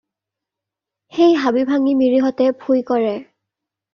সেই হাবি ভাঙি মিৰিহঁতে ভূঁই কৰে।